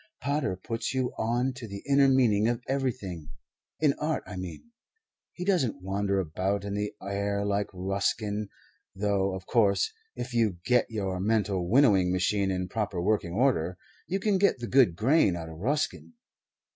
"Pater puts you on to the inner meaning of everything in art, I mean. He doesn't wander about in the air like Ruskin, though, of course, if you get your mental winnowing machine in proper working order you can get the good grain out of Ruskin.